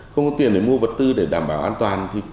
không có tiền để mua vật tư để đảm bảo áp dụng